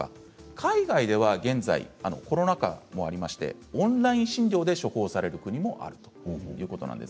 海外では現在コロナ禍もありましてオンライン診療で処方される国もあるということなんです。